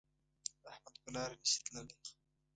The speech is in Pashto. احمد په لاره نشي تللی